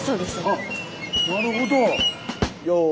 あっなるほど。